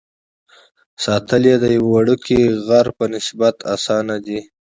ساتل یې د یوه وړوکي غره په نسبت اسانه دي.